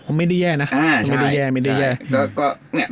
ก็ไม่ได้แย่นะ